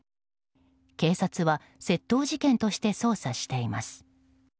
警察は窃盗事件として捜査しています。